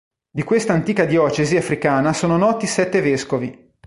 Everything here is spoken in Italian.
Di questa antica diocesi africana sono noti sette vescovi.